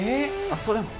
あっそれも。